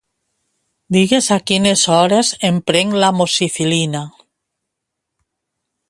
Digues a quines hores em prenc l'Amoxicil·lina.